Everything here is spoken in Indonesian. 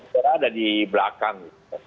terada di belakang